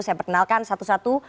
saya perkenalkan satu satu